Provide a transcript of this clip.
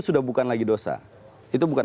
sudah bukan lagi dosa itu bukan